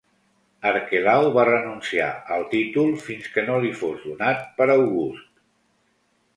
Arquelau va renunciar al títol fins que no li fos donat per August.